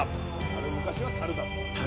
あれ昔は樽だった。